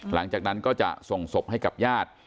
หลังจากนั้นก็จะส่งศพให้กับญาติ